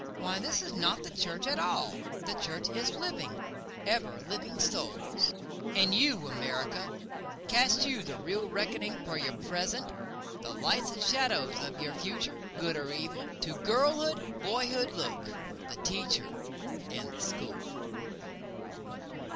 Why this is not the church at all—the Church is living, ever living Souls.")And you, America, Cast you the real reckoning for your present? The lights and shadows of your future—good or evil? To girlhood, boyhood look—the Teacher and the School.